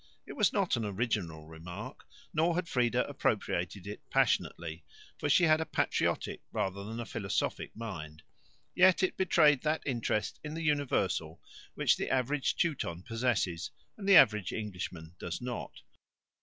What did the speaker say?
It was not an original remark, nor had Frieda appropriated it passionately, for she had a patriotic rather than a philosophic mind. Yet it betrayed that interest in the universal which the average Teuton possesses and the average Englishman does not.